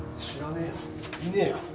知らねえよ！